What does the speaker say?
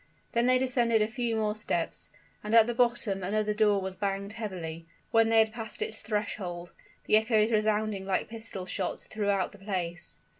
Then they descended a few more steps, and at the bottom another door was banged heavily, when they had passed its threshold, the echoes resounding like pistol shots throughout the place.